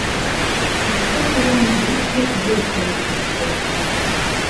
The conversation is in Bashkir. Кискә табан бик шәп ел сығып китте.